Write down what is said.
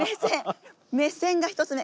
目線が１つ目。